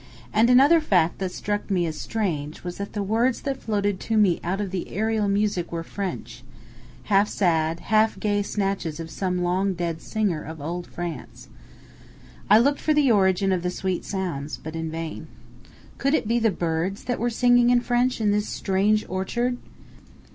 And another fact that struck me as strange was that the words that floated to me out of the aerial music were French, half sad, half gay snatches of some long dead singer of old France, I looked about for the origin of the sweet sounds, but in vain. Could it be the birds that were singing in French in this strange orchard?